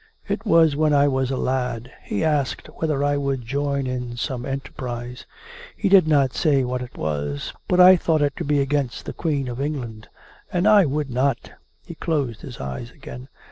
It was when I was a lad. He asked whether I would join in some enterprise. He did not say what it was. ... But I thought it to be against the Queen of England. ... And I would not." ... He closed his eyes again.